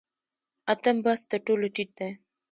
اتم بست تر ټولو ټیټ دی